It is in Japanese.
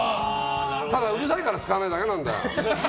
ただ、うるさいから使わないだけなんだよ。